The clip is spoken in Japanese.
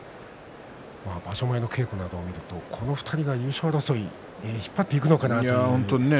場所前の稽古を見るとこの２人が優勝争いを引っ張っていくのかなと思っていましたが。